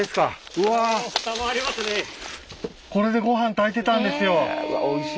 うわこれでごはん炊いてたんですよ。